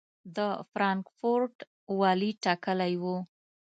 د فرانکفورټ والي ټاکلی و.